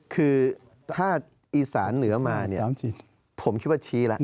คือถ้าอีสานเหนือมาเนี่ยผมคิดว่าชี้แล้ว